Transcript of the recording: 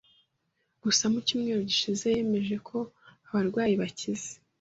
Gusa mu cyumweru gishize yemeje ko abarwayi bakize